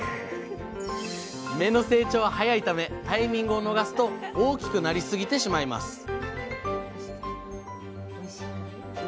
芽の成長は早いためタイミングを逃すと大きくなりすぎてしまいます